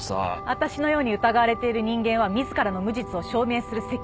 私のように疑われている人間は自らの無実を証明する責任はない。